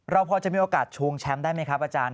เราพอจะมีโอกาสชวงแชมป์ได้ไหมครับอาจารย์